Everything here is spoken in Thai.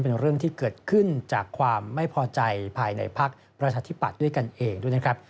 เป็นเรื่องที่เกิดขึ้นจากความไม่พอใจภายในภักดิ์ประชาธิปัตย์ด้วยกันเองด้วยนะครับ